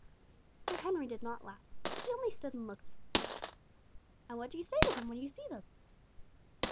Sir Henry did not laugh. He only stood and looked at her. "And what do you say to them when you see them?"